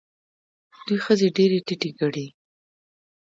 دوی ښځې ډېرې ټیټې ګڼي.